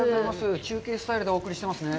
中継スタイルでお送りしてますね。